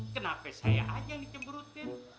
kenapa saya aja yang diceburrutin